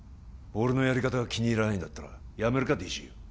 俺のやり方が気に入らないんだったら辞めるか？